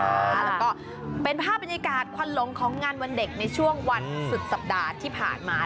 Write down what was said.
แล้วก็เป็นภาพบรรยากาศควันหลงของงานวันเด็กในช่วงวันสุดสัปดาห์ที่ผ่านมา